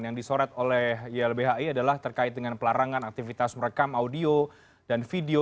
yang disorot oleh ylbhi adalah terkait dengan pelarangan aktivitas merekam audio dan video